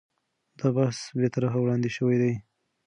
دا بحث بې طرفه وړاندې شوی دی.